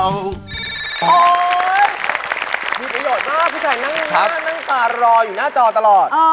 มีประโยชน์มากผู้ชายนั่งหน้านั่งตารออยู่หน้าจอตลอด